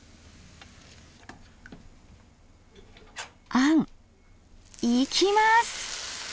あんいきます！